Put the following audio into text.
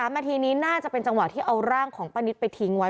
นาทีนี้น่าจะเป็นจังหวะที่เอาร่างของป้านิตไปทิ้งไว้